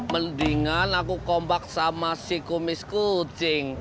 mendingan aku kompak sama si kumis kucing